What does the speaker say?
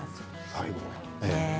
最後。